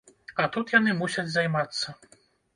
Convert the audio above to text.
А тут яны мусяць займацца.